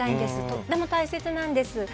とても大切なんです。